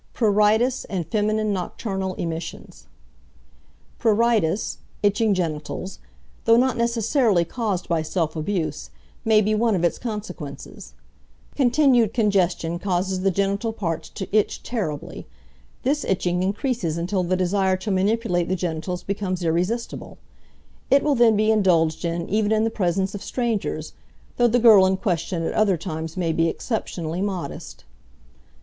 PRURITIS AND FEMININE NOCTURNAL EMISSIONS Pruritis (itching genitals), though not necessarily caused by self abuse, may be one of its consequences. Continued congestion causes the genital parts to itch terribly. This itching increases until the desire to manipulate the genitals becomes irresistible. It will then be indulged in even in the presence of strangers, though the girl in question at other times may be exceptionally modest.